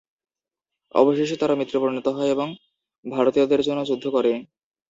অবশেষে তারা মিত্রে পরিণত হয় এবং ভারতীয়দের জন্য যুদ্ধ করে।